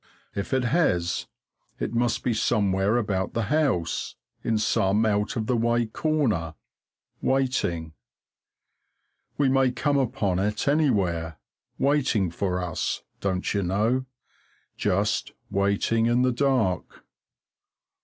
If it has, it must be somewhere about the house, in some out of the way corner, waiting. We may come upon it anywhere, waiting for us, don't you know? just waiting in the dark.